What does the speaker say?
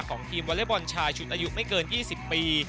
ของทีมเวลบอนชายชุดอายุไม่เกินยี่สิบปี